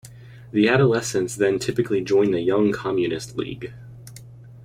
The adolescents then typically join the Young Communist League.